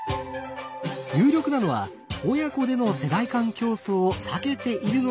有力なのは親子での世代間競争を避けているのではというもの。